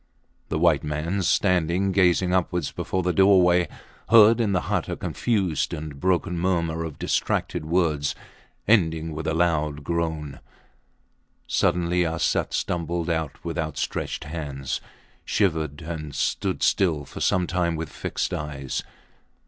The white man, standing gazing upwards before the doorway, heard in the hut a confused and broken murmur of distracted words ending with a loud groan. Suddenly Arsat stumbled out with outstretched hands, shivered, and stood still for some time with fixed eyes.